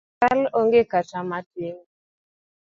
Kal onge kata matin